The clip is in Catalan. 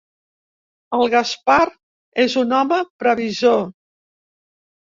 El Gaspar és un home previsor.